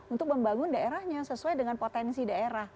untuk membangun daerahnya sesuai dengan potensi daerah